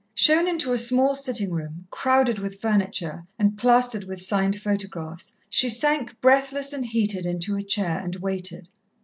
Shown into a small sitting room, crowded with furniture and plastered with signed photographs, she sank, breathless and heated, into a chair, and waited.